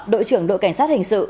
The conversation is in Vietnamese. đội trưởng đội cảnh sát hình sự